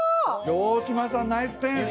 城島さんナイスセンス！